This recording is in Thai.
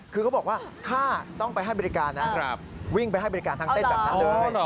คือเขาบอกว่าถ้าต้องไปให้บริการนะวิ่งไปให้บริการทางเต้นแบบนั้นเลย